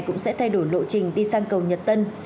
cũng sẽ thay đổi lộ trình đi sang cầu nhật tân